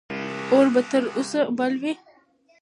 اور به تر اوسه بل وي.